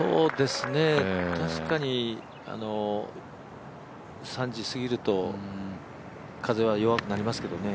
確かに３時過ぎると風は弱くなりますけどね。